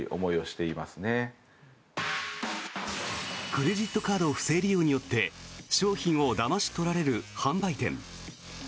クレジットカード不正利用によって商品をだまし取られる販売店。